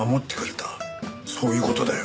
そういう事だよ。